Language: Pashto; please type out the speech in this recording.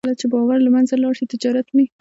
کله چې باور له منځه ولاړ شي، تجارت مري.